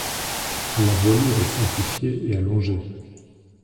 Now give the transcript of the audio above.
La voilure est simplifiée et allongée.